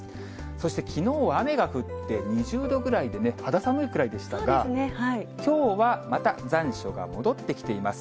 そしてきのうは雨が降って、２０度ぐらいでね、肌寒いくらいでしたが、きょうはまた残暑が戻ってきています。